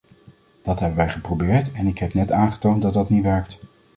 Dat hebben wij geprobeerd en ik heb net aangetoond dat dat niet werkt.